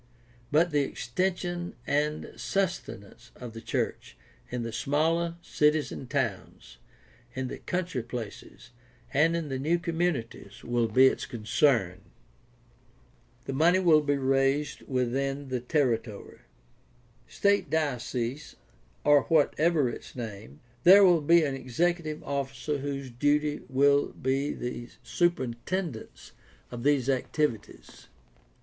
But the extension and sus tenance of the church in the smaller cities and towns, in the country places, and in the new communities will be its con cern. The money will be raised within the territory — ^state, diocese, or whatever its name. There will be an executive officer whose duty will be the superintendence of these activities.